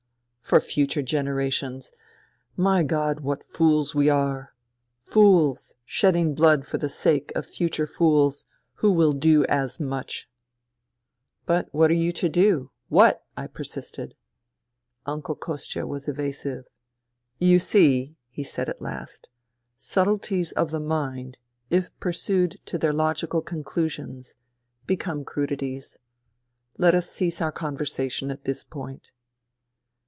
. For future generations I My God, what fools we are ! Fools shedding blood for the sake of future fools, who will do as much !" But what are you to do ? What f " I persisted. Uncle Kostia was evasive. " You see," he said at last, " subtleties of the mind, if pursued to their logical conclusions, become crudities. Let us cease our conversation at this point."